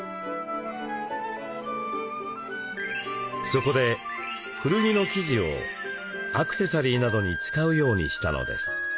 そこで古着の生地をアクセサリーなどに使うようにしたのです。